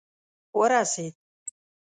ورسېد.